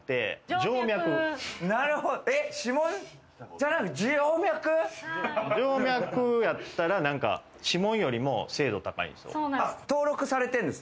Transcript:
静脈やったら指紋よりも精度高いんですよ。